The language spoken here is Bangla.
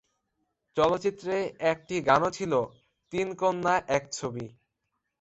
চলচ্চিত্রে একটি গানও ছিল "তিন কন্যা এক ছবি"।